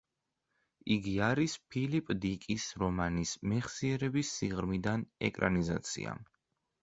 იგი არის ფილიპ დიკის რომანის „მეხსიერების სიღრმიდან“ ეკრანიზაცია.